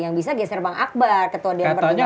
yang bisa geser bang akbar ketua dewan pertimbangan